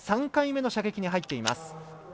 ３回目の射撃に入っています。